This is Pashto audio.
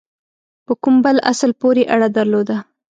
په کوم بل اصل پوري اړه درلوده.